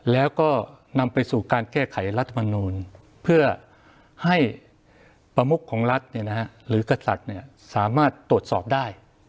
แล้วก็นำไปสู่การแก้ไขรัฐมนูลเพื่อให้ประมุขของรัฐหรือกษัตริย์สามารถตรวจสอบได้